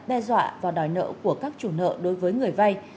đe dọa và đòi nợ của các chủ nợ đối với người vay